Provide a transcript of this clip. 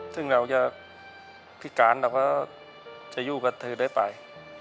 ซึ่งเราจะพิการเราก็จะอยู่กับเธอได้ไป